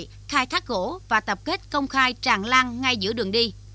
lâm tạc khai thác gỗ và tập kết công khai tràn lan ngay giữa đường đi